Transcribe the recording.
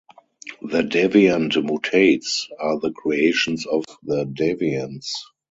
The Deviant Mutates are the creations of the Deviants.